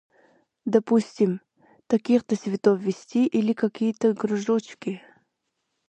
Допустим, таких-то цветов ввести, или какие-то кружочки.